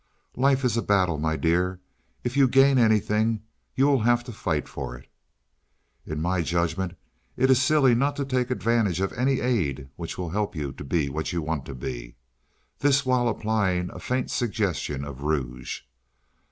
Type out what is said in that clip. "Life is a battle, my dear. If you gain anything you will have to fight for it." "In my judgment it is silly not to take advantage of any aid which will help you to be what you want to be." (This while applying a faint suggestion of rouge.)